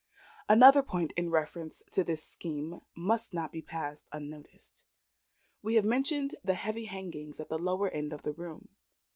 Another point in reference to this scheme must not be passed unnoticed. We have mentioned the heavy hangings at the lower end of the room.